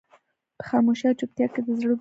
په خاموشۍ او چوپتيا کې د زړه په وينو.